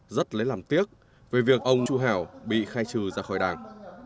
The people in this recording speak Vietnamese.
rất lấy làm tiếc về việc ông chu hảo bị khai trừ ra khỏi đảng